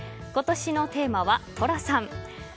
今年のテーマは寅さん。